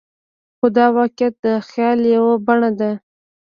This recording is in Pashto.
خو دا واقعیت د خیال یوه بڼه ده.